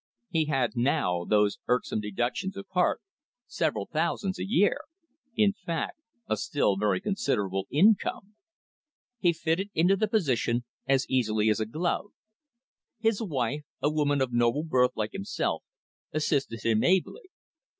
He had now, those irksome deductions apart, several thousands a year in fact, a still very considerable income. He fitted into the position as easily as a glove. His wife, a woman of noble birth like himself, assisted him ably.